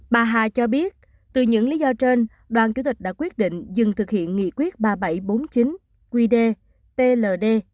bà hà cho biết từ những lý do trên đoàn chủ tịch đã quyết định dừng thực hiện nghị quyết ba nghìn bảy trăm bốn mươi chín qd tld